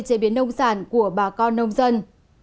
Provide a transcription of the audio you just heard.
chế biến nông sản của bà con nông dân